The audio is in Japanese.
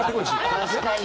確かに。